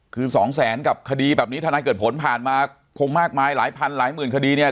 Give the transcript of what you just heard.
คือสองแสนกับคดีแบบนี้ทนายเกิดผลผ่านมาคงมากมายหลายพันหลายหมื่นคดีเนี่ย